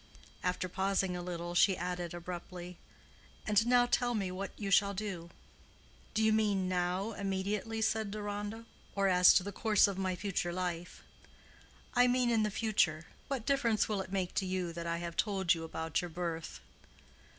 After pausing a little, she added, abruptly, "And now tell me what you shall do?" "Do you mean now, immediately," said Deronda; "or as to the course of my future life?" "I mean in the future. What difference will it make to you that I have told you about your birth?"